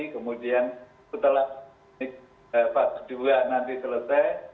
kemudian setelah fase dua nanti selesai